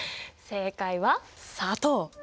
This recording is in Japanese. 正解は砂糖。